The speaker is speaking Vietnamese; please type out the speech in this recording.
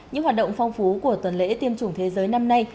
những hoạt động phong phú của tuần lễ tiêm chủng thế giới năm nay